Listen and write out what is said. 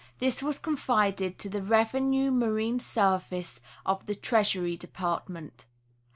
This was confided to the Revenue Marine Service of the Treasury Depart . ment.